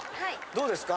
どうですか？